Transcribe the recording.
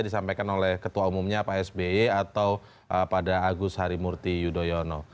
disampaikan oleh ketua umumnya pak sby atau pada agus harimurti yudhoyono